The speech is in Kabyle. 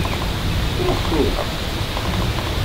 Ṛuḥ tura.